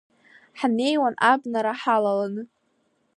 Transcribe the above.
Ҳнеиуан абнара ҳалаланы.